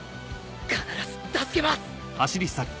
必ず助けます！